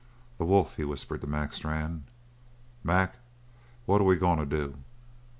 "The wolf!" he whispered to Mac Strann. "Mac, what're we goin' to do?"